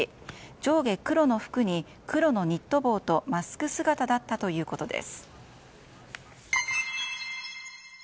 上下黒の服に黒のニット帽とマスク姿だったということです。